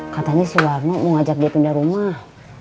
katanya si warno mau ngajak dia pindah rumah